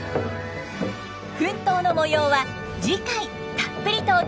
奮闘の模様は次回たっぷりとお届けします。